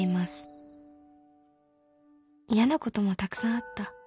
「嫌なこともたくさんあった」